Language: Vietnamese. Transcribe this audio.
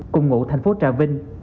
cùng ngụ thành phố trà vinh